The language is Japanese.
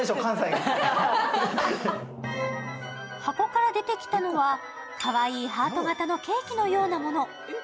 箱から出てきたのは、かわいいハート形のケーキのようなもの。